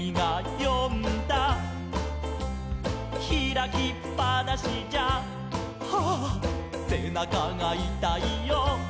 「ひらきっぱなしじゃはぁせなかがいたいよ」